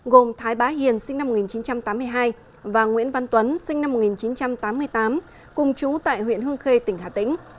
gồm thái bá hiền sinh năm một nghìn chín trăm tám mươi hai và nguyễn văn tuấn sinh năm một nghìn chín trăm tám mươi tám cùng chú tại huyện hương khê tỉnh hà tĩnh